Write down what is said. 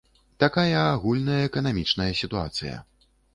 Такая агульная эканамічная сітуацыя.